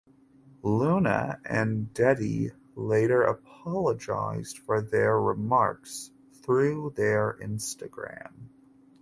Luna and Deddy later apologized for their remarks through their instagram.